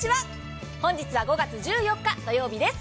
本日は５月１４日土曜日です。